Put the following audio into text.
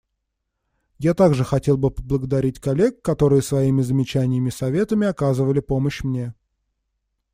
Я также хотел бы поблагодарить коллег, которые своими замечаниями и советами оказывали помощь мне.